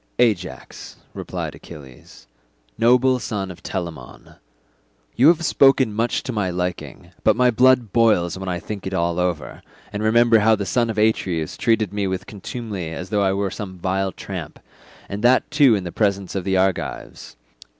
"Ajax," replied Achilles, "noble son of Telamon, you have spoken much to my liking, but my blood boils when I think it all over, and remember how the son of Atreus treated me with contumely as though I were some vile tramp, and that too in the presence of the Argives.